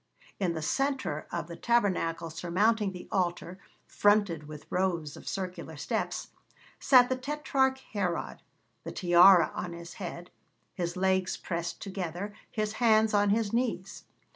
In the centre of the tabernacle surmounting the altar, fronted with rows of circular steps, sat the Tetrarch Herod, the tiara on his head, his legs pressed together, his hands on his knees.